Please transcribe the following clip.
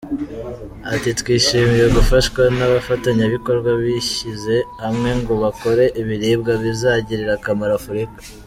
Ati “Twishimiye gufashwa n’abafatanyabikorwa bishyize hamwe ngo bakore ibiribwa bizagirira akamaro Africa.